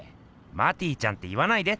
マティちゃんって言わないで！